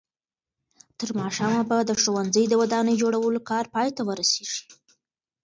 تر ماښامه به د ښوونځي د ودانۍ جوړولو کار پای ته ورسېږي.